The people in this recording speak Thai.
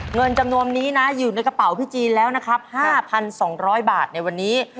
เงินจำนวนนี้นะอยู่ในกระเป๋าพี่จีนแล้วนะครับ๕๒๐๐บาทในวันนี้